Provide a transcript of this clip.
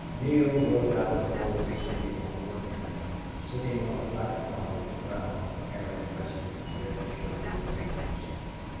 Neale rode out of Roaring City on the work train, sitting on a flat car with a crowd of hairy breasted, red shirted laborers.